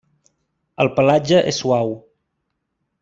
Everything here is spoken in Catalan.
El pelatge és suau.